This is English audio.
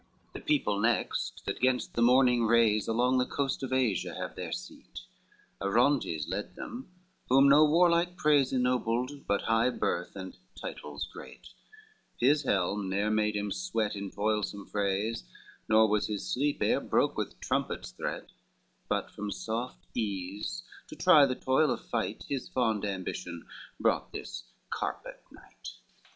XVI The people next that gainst the morning rays Along the coasts of Asia have their seat, Arontes led them, whom no warlike praise Ennobled, but high birth and titles great, His helm ne'er made him sweat in toilsome frays, Nor was his sleep e'er broke with trumpet's threat, But from soft ease to try the toil of fight His fond ambition brought this carpet knight.